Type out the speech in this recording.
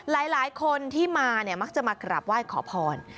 หลายคนที่มาเนี่ยมักจะมากราบไหว้ขอพร